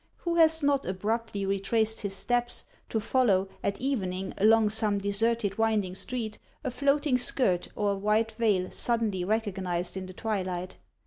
Who has not abruptly retraced his steps, to follow, at evening, along some deserted, winding street, a floating skirt or a white veil suddenly recognized in the twilight